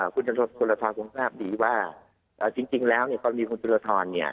คุณจันทรพจุฬทรคุณทราบดีว่าจริงแล้วพอมีคุณจุฬทร